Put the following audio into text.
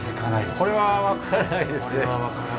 これは分からないですね。